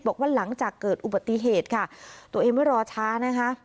บอกว่าหลังจากเกิดอุบัติเหตุค่ะตัวเองไม่รอช้านะคะ